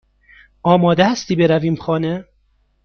آماده هستی برویم خانه؟